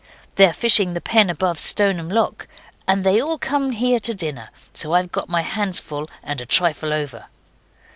They're fishing the pen above Stoneham Lock. And they all come here to dinner. So I've got my hands full and a trifle over.